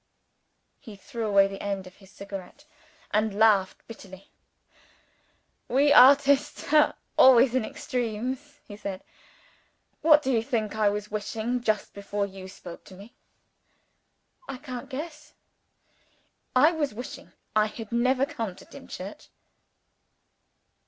_" He threw away the end of his cigar, and laughed bitterly. "We artists are always in extremes," he said. "What do you think I was wishing just before you spoke to me?" "I can't guess." "I was wishing I had never come to Dimchurch!"